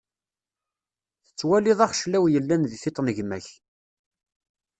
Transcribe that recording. Tettwaliḍ axeclaw yellan di tiṭ n gma-k.